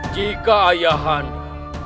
jika ayah anda